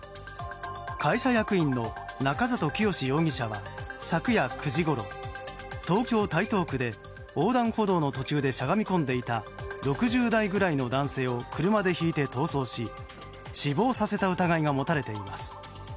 会社役員の中里潔史容疑者は昨夜９時ごろ東京・台東区で横断歩道の途中でしゃがみ込んでいた６０代ぐらいの男性を車でひいて逃走し、死亡させた疑いが持たれています。